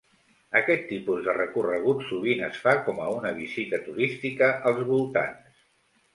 Aquest tipus de recorregut sovint es fa com a una visita turística als voltants.